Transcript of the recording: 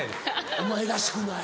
お前らしくない。